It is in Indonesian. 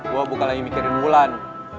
gue bukan lagi mikirin bulan